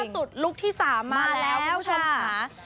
สุดลุคที่๓มาแล้วคุณผู้ชมค่ะ